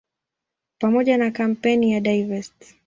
Pamoja na kampeni ya "Divest!